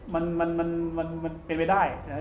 มันเป็นไปได้